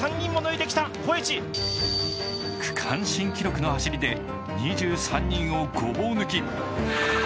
区間新記録の走りで２３人をごぼう抜き。